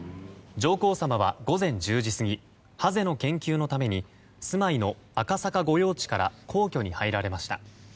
上皇さまは午前１０時過ぎハゼの研究のために住まいの赤坂御用地から皇居に入られました。